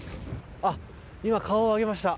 あ、今、顔を上げました。